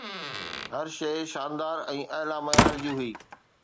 هر شي شاندار ۽ اعلي معيار جي هئي